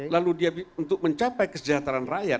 lalu dia untuk mencapai kesejahteraan rakyat